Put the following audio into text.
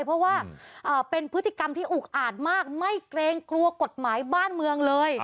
เพราะว่าเป็นพฤติกรรมที่อุกอาดมากไม่เกรงกลัวกฎหมายบ้านเมืองเลย